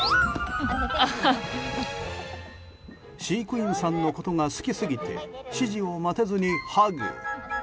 飼育員さんのことが好きすぎて指示を待てずにハグ。